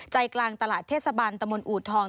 ใจกลางตลาดเทศบาลตะมนตอูทอง